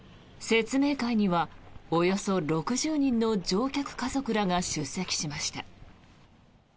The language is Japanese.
説明会には、およそ６０人の乗客家族らが出席しました。